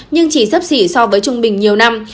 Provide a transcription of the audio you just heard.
nhưng chỉ sấp xỉ so với trung bình nhiều năm